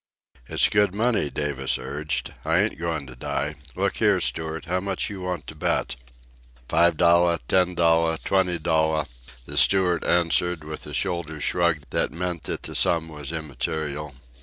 "It's good money," Davis urged. "I ain't goin' to die. Look here, steward, how much you want to bet?" "Five dollar, ten dollar, twenty dollar," the steward answered, with a shoulder shrug that meant that the sum was immaterial.